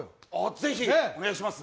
ぜひ、お願いします。